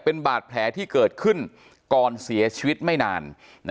เป็นบาดแผลที่เกิดขึ้นก่อนเสียชีวิตไม่นาน